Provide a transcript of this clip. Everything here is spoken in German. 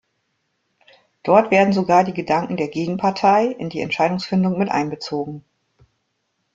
Dort werden sogar die Gedanken der Gegenpartei in die Entscheidungsfindung mit einbezogen.